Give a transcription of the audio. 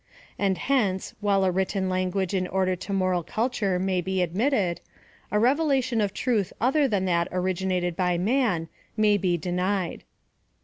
And hence while a written language in order to moral culture may be admittsd, a revelation of truth other than that originated by man may be denied.